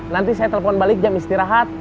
nanti saya telepon balik jam istirahat